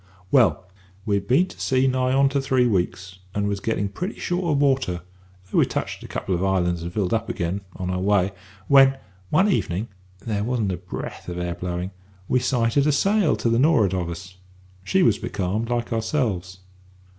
"Well, we'd been to sea nigh on to three weeks, and was getting pretty short of water, though we touched at a couple of islands and filled up again, on our way, when one evening there wasn't a breath of air blowing we sighted a sail to the nor'ard of us. She was becalmed, like ourselves.